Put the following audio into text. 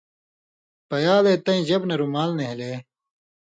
پیالے تَیں جبہۡ نہ رُمال نھېلے